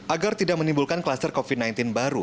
agar tidak menimbulkan kluster covid sembilan belas baru